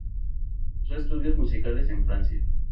Cursó estudios musicales en Francia.